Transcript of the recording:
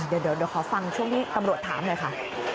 เดี๋ยวขอฟังช่วงที่ตำรวจถามหน่อยค่ะ